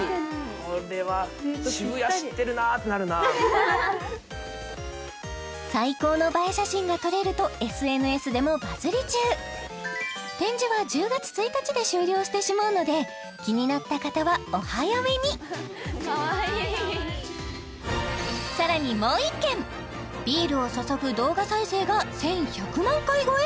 これは最高の映え写真が撮れるとＳＮＳでもバズり中展示は１０月１日で終了してしまうので気になった方はお早めにさらにもう１軒ビールを注ぐ動画再生が１１００万回超え！？